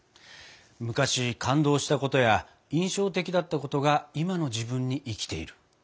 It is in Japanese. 昔感動したことや印象的だったことが今の自分に生きている。